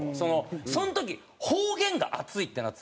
その時方言が熱いってなってたんですよ。